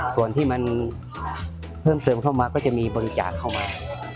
ส่วนที่มันเพิ่มเติมเข้ามาก็จะมีบริจาคเข้ามา